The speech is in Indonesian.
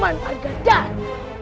paman arga dan